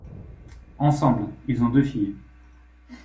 Ensemble, ils ont deux filles.